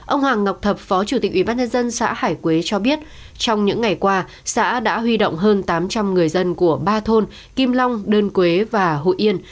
ông hoàng ngọc thập phó chủ tịch ubnd xã hải quế cho biết trong những ngày qua xã đã huy động hơn tám trăm linh người dân của ba thôn kim long đơn quế và hội yên